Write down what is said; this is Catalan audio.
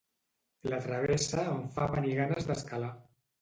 La Travessa em fa venir ganes d'escalar.